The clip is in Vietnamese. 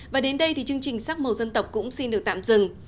và đến đây thì chương trình sắc màu dân tộc cũng xin được tạm dừng